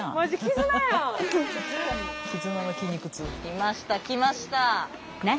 来ました来ました。